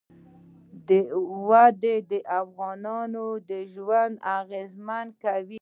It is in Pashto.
وادي د افغانانو ژوند اغېزمن کوي.